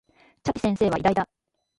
チャピ先生は偉大だ